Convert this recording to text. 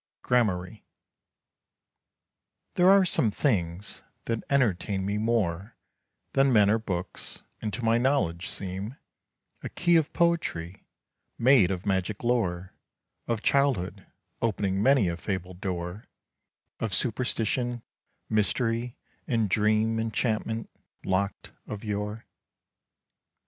GRAMARYE. There are some things that entertain me more Than men or books; and to my knowledge seem A key of Poetry, made of magic lore Of childhood, opening many a fabled door Of superstition, mystery, and dream Enchantment locked of yore.